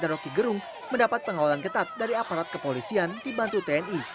dan roky gerung mendapat pengawalan getat dari aparat kepolisian di bantu tni